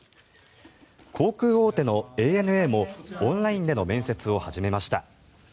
航空大手のＡＮＡもオンラインでの面接を始めました。